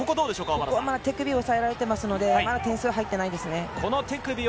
手首が抑えられていますのでまだ点が入っていないですね。